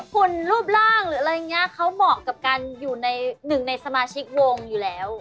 หุ่นรูปร่างหรืออะไรอย่างนี้เขาเหมาะกับการอยู่ในหนึ่งในสมาชิกวงอยู่แล้ว